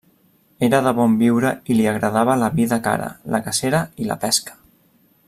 Era de bon viure i li agradava la vida cara, la cacera i la pesca.